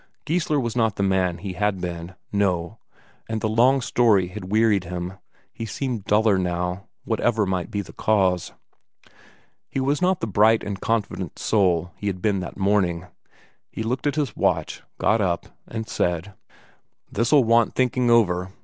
Geissler was not the man he had been no; and the long story had wearied him, he seemed duller now, whatever might be the cause. He was not the bright and confident soul he had been that morning. He looked at his watch, got up, and said: "This'll want thinking over.